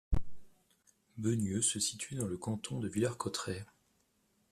Beugneux se situe dans le canton de Villers-Cotterêts.